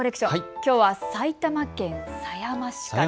きょうは埼玉県狭山市から。